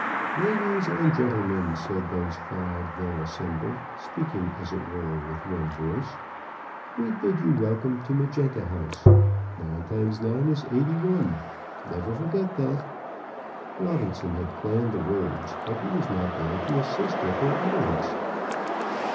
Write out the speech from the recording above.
"Ladies and gentlemen," said those five there assembled speaking as it were with one voice, "we bid you welcome to Magenta House. Nine times nine is eighty one. Never forget that." Robinson had planned the words, but he was not there to assist at their utterance!